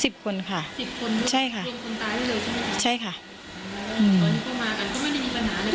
สิบคนค่ะสิบคนใช่ค่ะใช่ค่ะอืม